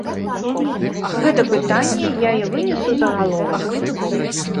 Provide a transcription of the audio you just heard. Гэта пытанне я і вынес у загаловак.